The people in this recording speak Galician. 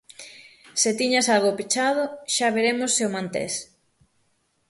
Se tiñas algo pechado, xa veremos se o mantés.